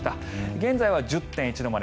現在は１０．１度まで。